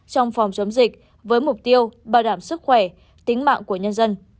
trong phòng chống dịch với mục tiêu bảo đảm sức khỏe tính mạng của nhân dân